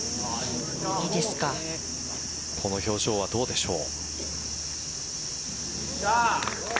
この表情はどうでしょう。